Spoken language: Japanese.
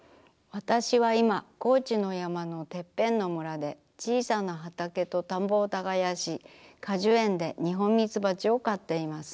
わたしはいま高知の山のてっぺんの村でちいさな畑と田んぼを耕し果樹園で日本みつばちを飼っています。